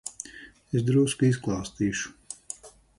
Es drusku izklāstīšu.